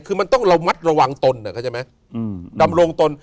คือมันต้องระวังตน